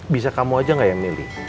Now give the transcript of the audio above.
bisa kamu aja nggak yang milih